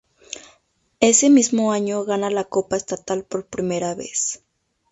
Ese mismo año gana la copa estatal por primera vez.